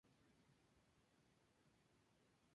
Pedro I de Portugal se casó tres veces.